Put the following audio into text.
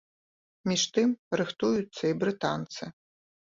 Між тым, рыхтуюцца і брытанцы.